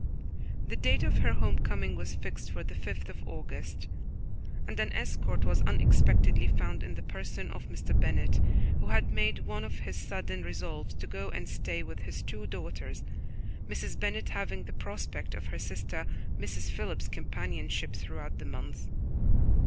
The date of her homecoming was fixed for the fifth of August, and an escort was unexpectedly found in the person of Mr. Bennet, who had made one of his sudden resolves to go and stay with his two daughters, Mrs. Bennet having the prospect of her sister, Mrs. Phillips's, companionship throughout that month.